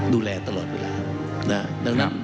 ดูแลตลอดเวลานะ